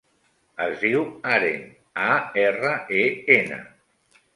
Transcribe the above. Es diu Aren: a, erra, e, ena.